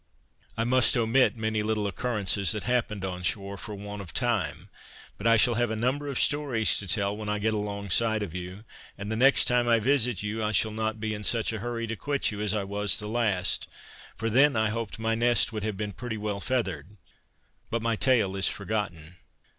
I must omit many little occurrences that happened on shore, for want of time; but I shall have a number of stories to tell when I get alongside of you; and the next time I visit you I shall not be in such a hurry to quit you as I was the last, for then I hoped my nest would have been pretty well feathered: But my tale is forgotten.